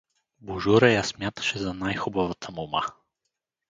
Божура я смяташе за най-хубавата мома.